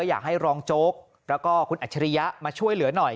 อยากให้รองโจ๊กแล้วก็คุณอัจฉริยะมาช่วยเหลือหน่อย